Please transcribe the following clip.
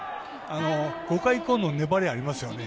５回以降の粘りありますよね。